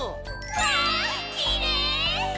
わきれい！